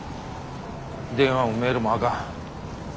電話もメールもあかん。